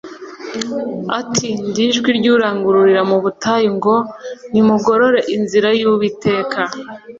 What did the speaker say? Ati :« Ndi ijwi ry'urangururira mu butayu ngo : nimugorore inzira y'Uwiteka,